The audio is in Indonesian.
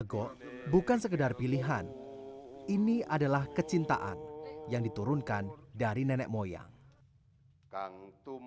go bukan sekedar pilihan ini adalah kecintaan yang diturunkan dari nenek moyang kantum